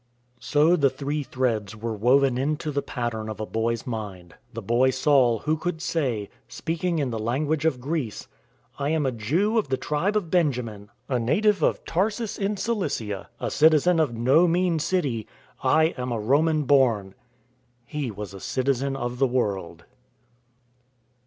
* Brindisi. 42 IN TRAINING So the three threads were woven into the pattern of a boy's mind — the boy Saul who could say — speak ing in the language of Greece, " I am a Jew of the tribe of Benjamin, A native of Tarsus in Cilicia, A citizen of no mean city. I am a Roman born." He was a citizen of the world.